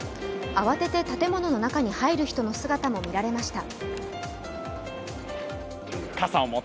慌てて建物の中に入る人の姿も見られました。